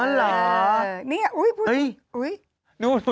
อ๋อเหรอนี่อุ๊ยพูดอุ๊ยจากไหนอ่ะ